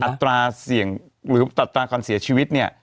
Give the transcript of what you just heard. อัตราเสี่ยงหรืออัตราการเสียชีวิตเนี่ย